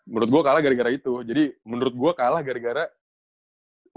menurut gue kalah gara gara itu jadi menurut gue kalah gara gara